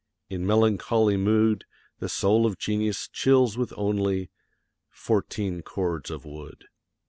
In melancholy mood, The soul of genius chills with only fourteen cords of wood.